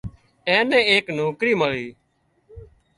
اين نين ايڪ نوڪرِي مۯي